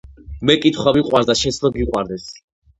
მე კითხვა მიყვარს და შენც უნდა გიყვარდეს